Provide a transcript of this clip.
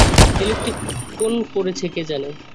এই লোকটি কোন পরেছে কে জানে!